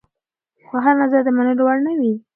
خو هر نظر د منلو وړ نه وي.